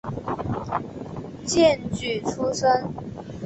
荐举出身。